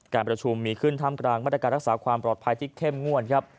การประชุมมีขึ้นท่ามกลางมาตรการรักษาความปลอดภัยที่เข้มงวดครับ